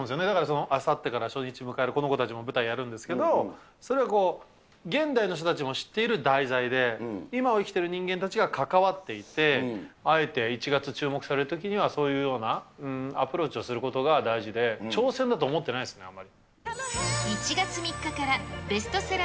だから、あさってから初日を迎える、この子たちも舞台やるんですけど、それが、現在の人たちも知っている題材で、今を生きてる人間たちが関わっていて、あえて１月注目されるときには、そういうようなアプローチをすることが大事で、挑戦だと思ってないですね。